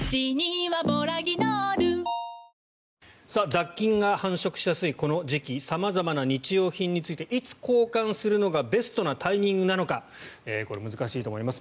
雑菌が繁殖しやすいこの時期様々な日用品についていつ交換するのがベストなタイミングなのかこれ、難しいと思います。